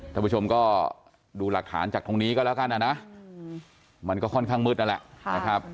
ท่านผู้ชมก็ดูหลักฐานจากตรงนี้ก็แล้วกันนะมันก็ค่อนข้างมืดนั่นแหละนะครับ